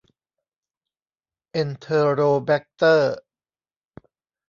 เอนเทอโรแบกเตอร์